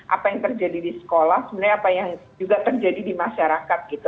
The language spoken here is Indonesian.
apa yang terjadi di sekolah sebenarnya apa yang juga terjadi di masyarakat gitu